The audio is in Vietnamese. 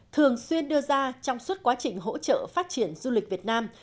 thường xuyên đưa ra trong suốt quá trình hỗ trợ phát triển du lịch việt nam